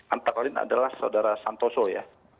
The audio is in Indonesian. antara lain adalah saudara santoso ya